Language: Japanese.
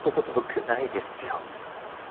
よくないですよ。